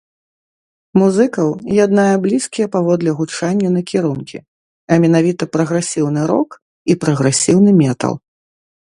Музыкаў яднае блізкія паводле гучання накірункі, а менавіта прагрэсіўны рок і прагрэсіўны метал.